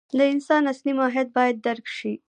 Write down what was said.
د انسان اصلي ماهیت باید درک شي.